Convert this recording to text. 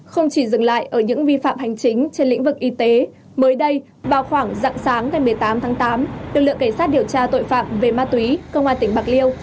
không chỉ dừng lại ở những vi phạm hành chính trên lĩnh vực y tế mới đây vào khoảng dặng sáng ngày một mươi tám tháng tám lực lượng cảnh sát điều tra tội phạm về ma túy công an tỉnh bạc liêu